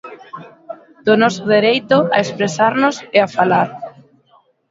Do noso dereito a expresarnos e a falar.